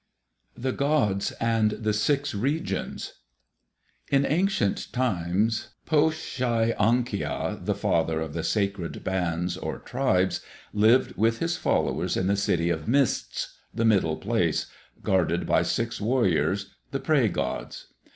The Gods and the Six Regions In ancient times, Po shai an ki a, the father of the sacred bands, or tribes, lived with his followers in the City of Mists, the Middle Place, guarded by six warriors, the prey gods.